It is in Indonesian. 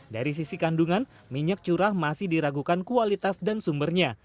dari sisi kandungan minyak curah masih diragukan kualitas dan sumbernya